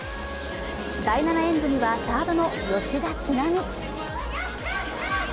第７エンドには、サードの吉田知那美。